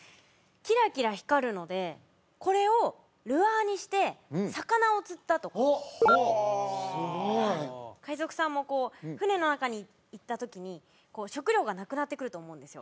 キラキラ光るのでこれをルアーにして魚を釣ったとかすごい海賊さんも船の中にいた時に食料がなくなってくると思うんですよ